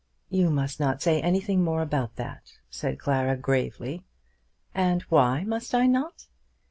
"You must not say anything more about that," said Clara gravely. "And why must I not?"